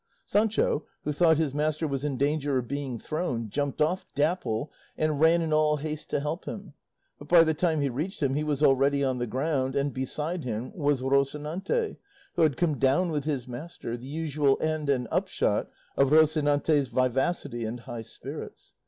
Sancho, who thought his master was in danger of being thrown, jumped off Dapple, and ran in all haste to help him; but by the time he reached him he was already on the ground, and beside him was Rocinante, who had come down with his master, the usual end and upshot of Rocinante's vivacity and high spirits.